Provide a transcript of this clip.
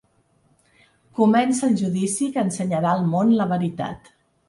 Comença el judici que ensenyarà al món la veritat.